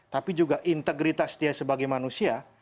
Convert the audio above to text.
tapi juga integritas dia sebagai manusia